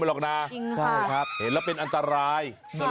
วิทยาลัยศาสตร์อัศวิทยาลัยศาสตร์